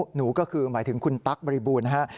หนูก็คือหมายถึงคุณตั๊กบริบูรณ์นะฮะ